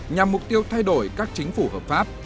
nhằm mục tiêu thay đổi các chính phủ hợp pháp